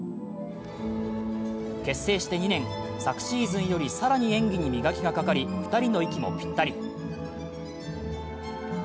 結成して２年、昨シーズンより更に演技に磨きがかかり２人の息もピッタリ。